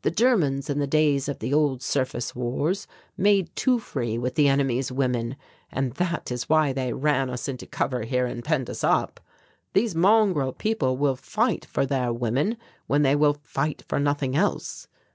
The Germans in the days of the old surface wars made too free with the enemy's women, and that is why they ran us into cover here and penned us up. These mongrel people will fight for their women when they will fight for nothing else.